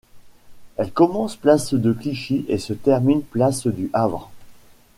Elle commence place de Clichy et se termine place du Havre.